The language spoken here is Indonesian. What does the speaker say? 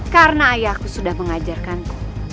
karena ayahku sudah mengajarkanku